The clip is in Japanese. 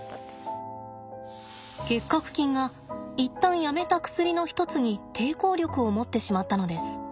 結核菌が一旦やめた薬の一つに抵抗力を持ってしまったのです。